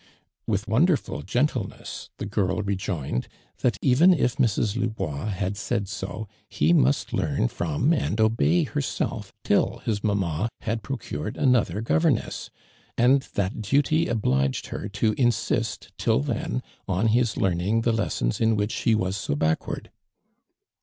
With wonderful gentleness the girl re joined " that even if Mrs. Lubois had said so, he must learn from and obey herself till his mamma had procured another gover •i ^/ ARMAND DURAND. 't A ness; ami that duty obliged her to in Hist till then on his learning the lessons in which he waa so backvvanl."